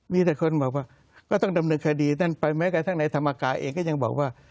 มีแต่คนบอกว่าก็ต้องดำเนินคดีนั่นไปแม้กระทั่งในธรรมกายเองก็ยังบอกว่า